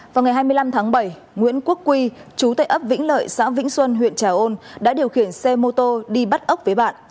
vào ngày hai mươi năm tháng bảy nguyễn quốc quy chú tại ấp vĩnh lợi xã vĩnh xuân huyện trà ôn đã điều khiển xe mô tô đi bắt ốc với bạn